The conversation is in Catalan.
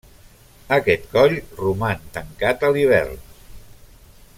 Aquest coll roman tancat a l'hivern.